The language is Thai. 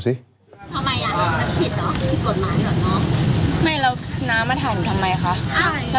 ก็ได้ค่ะก็ถ่ายด้วย